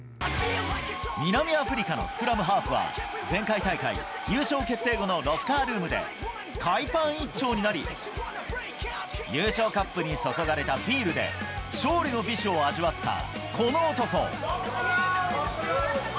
南アフリカのスクラムハーフは、前回大会、優勝決定後のロッカールームで、海パン一丁になり、優勝カップに注がれたビールで、勝利の美酒を味わったこの男。